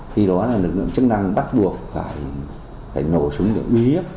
khi đó là lực lượng chức năng bắt buộc phải nổ xuống để uy hiếp